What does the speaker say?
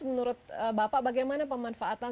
menurut bapak bagaimana pemanfaatan